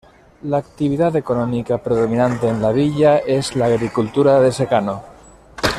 La actividad económica predominante en la villa es la agricultura de secano.